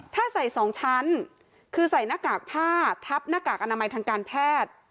ถ้าใส่๒ชั้นคือใส่หน้ากากผ้าทับหน้ากากอนามัยทางการแพทย์